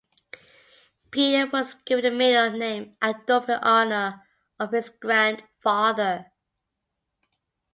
Peter was given the middle name Adolf in honor of his grandfather.